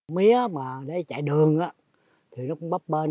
mía mà để chạy đường thì nó cũng bấp bên